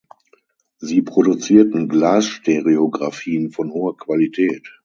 Sie produzierten Glasstereographien von hoher Qualität.